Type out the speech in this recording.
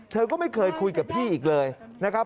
เธอก็ไม่เคยคุยกับพี่อีกเลยนะครับ